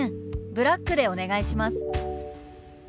ブラックでお願いします」。